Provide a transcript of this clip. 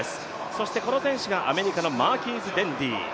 そしてこの選手がアメリカのマーキーズ・デンディー。